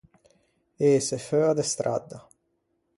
Ëse feua de stradda.